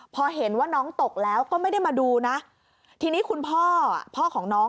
พอเห็นว่าน้องตกแล้วก็ไม่ได้มาดูนะทีนี้คุณพ่อพ่อของน้อง